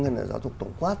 hay là giáo dục tổng quát